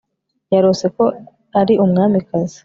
Yarose ko ari umwamikazi